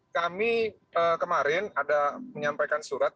kami kemarin ada menyampaikan surat